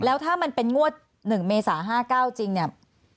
แล้วถ้ามันเป็นงวด๑เมษา๕๙จริงเนี่ย